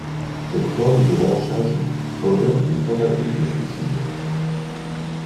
Cette forme de lynchage provoque des tentatives de suicide.